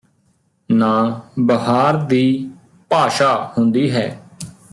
ਨਾ ਬਹਾਰ ਦੀ ਭਾਸ਼ਾ ਹੁੰਦੀ ਹੈ